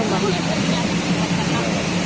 aku belum lupa